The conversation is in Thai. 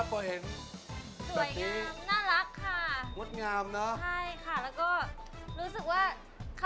ใช่รักคนไทยด้วยเลยค่ะ